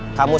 namak tui ah